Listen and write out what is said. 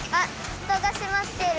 ふたがしまってる。